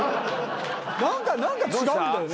何か違うんだよね。